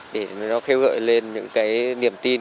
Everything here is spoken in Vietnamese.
để nó kêu gọi lên những cái niềm tin